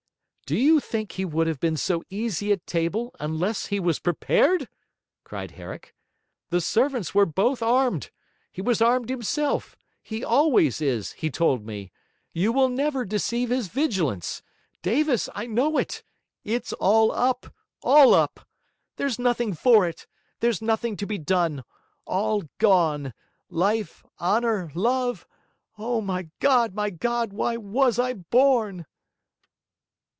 'Do you think he would have been so easy at table, unless he was prepared?' cried Herrick. 'The servants were both armed. He was armed himself; he always is; he told me. You will never deceive his vigilance. Davis, I know it! It's all up; all up. There's nothing for it, there's nothing to be done: all gone: life, honour, love. Oh, my God, my God, why was I born?'